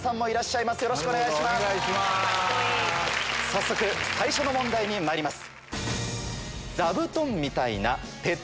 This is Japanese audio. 早速最初の問題にまいります。